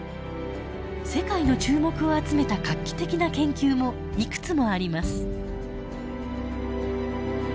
世界の注目を集めた画期的な研究もいくつもあります。